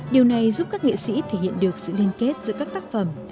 điều này giúp các nghệ sĩ thể hiện được sự liên kết giữa các tác phẩm